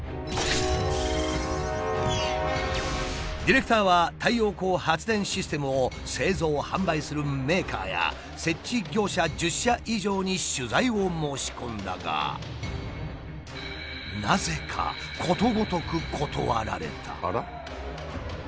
ディレクターは太陽光発電システムを製造・販売するメーカーや設置業者１０社以上に取材を申し込んだがなぜかことごとく断られた。